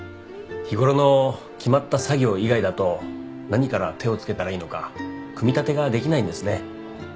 日ごろの決まった作業以外だと何から手を付けたらいいのか組み立てができないんですね。